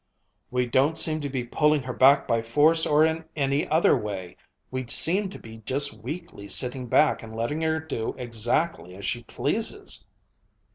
"We don't seem to be pulling her back by force or in any other way! We seem to be just weakly sitting back and letting her do exactly as she pleases."